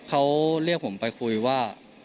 เขาเรียกผมไปคุยว่า